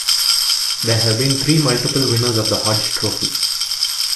There have been three multiple winners of the Hodge Trophy.